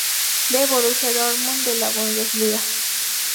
V. Borussia Dortmund de la Bundesliga.